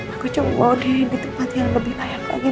aku cuma mau deh ini tempat yang lebih layak lagi